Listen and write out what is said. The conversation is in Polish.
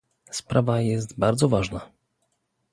Sprawa jest bardzo ważna